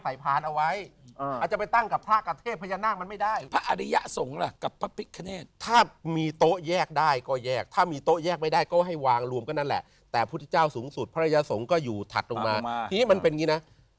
เขาจะตั้งแต่วิทยาลักษณะไหน